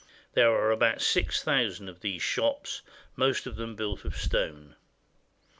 There are about six thousand of these shops, most of them built of stone.